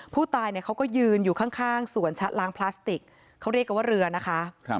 ผู้ตายเนี่ยเขาก็ยืนอยู่ข้างสวนชะล้างพลาสติกเขาเรียกกันว่าเรือนะคะ